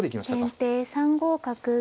先手３五角。